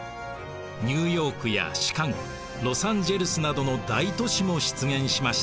ニューヨークやシカゴロサンゼルスなどの大都市も出現しました。